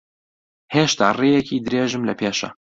هێشتا ڕێیەکی درێژم لەپێشە.